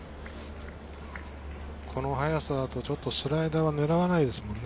この速さだとちょっとスライダーは狙わないですもんね。